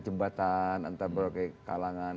jembatan antar berbagai kalangan